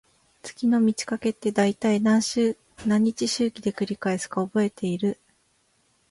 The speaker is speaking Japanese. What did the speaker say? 月の満ち欠けって、だいたい何日周期で繰り返すか覚えてる？